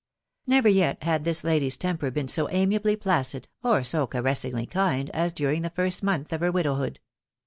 Never yet had this lady's temper been so amiably placid, or so caressingly kind, as during the first month of her widow hood.